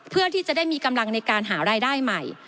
เพื่อที่จะได้มีกำลังในการหารายได้ใหม่